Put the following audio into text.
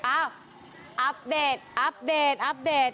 อัปเดตอัปเดตอัปเดต